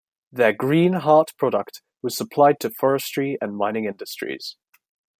Their Green Heart product was supplied to forestry and mining industries.